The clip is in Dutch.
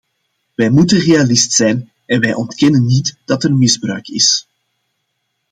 Wij moeten realist zijn en wij ontkennen niet dat er misbruik is.